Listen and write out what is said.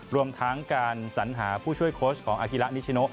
รวมทั้งการสัญหาผู้ช่วยโค้ชของอากิระนิชโน